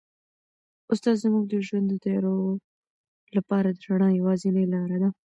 استاد زموږ د ژوند د تیارو لپاره د رڼا یوازینۍ لاره ده.